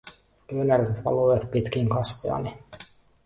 Kyyneleet valuivat pitkin kasvojani.